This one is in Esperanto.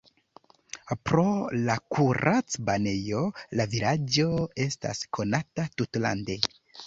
Pro la kuracbanejo la vilaĝo estas konata tutlande.